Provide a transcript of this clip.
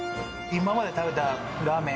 今まで食べたラーメン